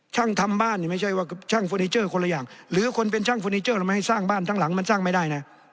ช่างทำบ้านนี่ไม่ใช่ว่าช่างเฟอร์นิเจอร์คนละอย่างหรือคนเป็นช่างเฟอร์นิเจอร์แล้วไม่ให้สร้างบ้านทั้งหลังมันสร้างไม่ได้นะ